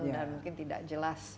dan mungkin tidak jelas